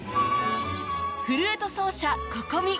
フルート奏者 Ｃｏｃｏｍｉ